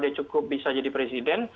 dia cukup bisa jadi presiden